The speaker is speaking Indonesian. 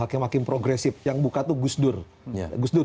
hakim hakim progresif yang buka itu gusdur